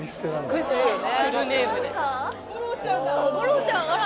「ゴロウちゃん」あら。